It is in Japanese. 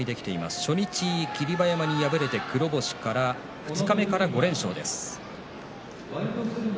初日、霧馬山に敗れてそのあと二日目から５連勝です。